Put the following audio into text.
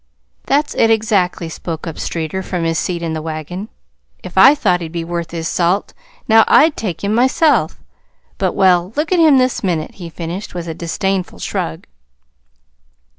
"That's it exactly," spoke up Streeter, from his seat in the wagon. "If I thought he'd be worth his salt, now, I'd take him myself; but well, look at him this minute," he finished, with a disdainful shrug.